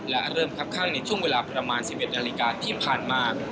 และเริ่มคับข้างในช่วงเวลาประมาณ๑๑นาฬิกาที่ผ่านมา